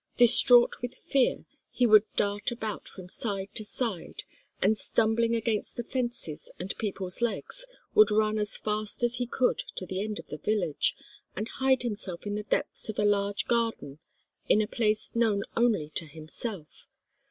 Distraught with fear he would dart about from side to side, and stumbling against the fences and people's legs, would run as as fast as he could to the end of the village, and hide himself in the depths of a large garden in a place known only to himself.